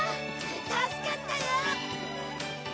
助かったよ！